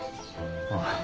ああ。